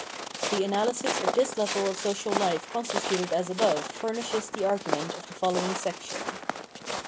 The analysis of this level of social life constituted as above furnishes the argument of the following section.